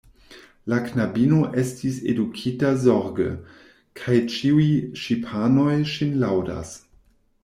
La knabino estis edukita zorge, kaj ĉiuj ŝipanoj ŝin laŭdas.